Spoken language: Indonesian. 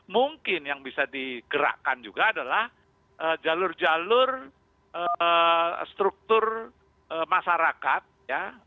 mungkin yang bisa digerakkan juga adalah jalur jalur struktur masyarakat ya